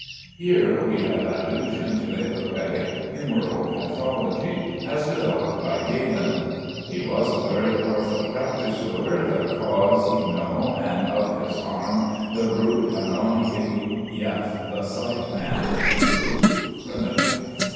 Here we have allusion to the Hippocratic humoral pathology as developed by Galen. "He was a verrey parfight practisour, The cause i knowe, and of his harm the roote Anon he yaf the syke man his boote" (remedy).